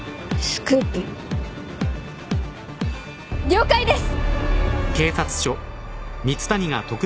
了解です！